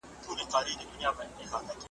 دا سفر یو طرفه دی نسته لار د ستنېدلو .